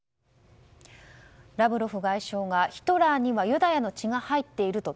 ラブロフ外相がヒトラーにはユダヤの血が入っていると。